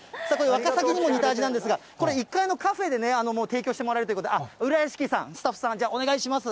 ワカサギにも似た味なんですが、これ、１階のカフェで提供してもらえるということで、浦屋敷さん、スタッフさん、じゃあ、お願いします。